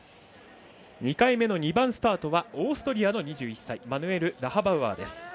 ２回目の２番スタートはオーストリアの２１歳マヌエル・ラハバウアーです。